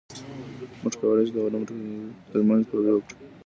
موږ کولای سو د علومو ترمنځ پولي وټاکو.